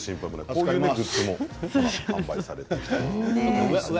こういうものも販売されています。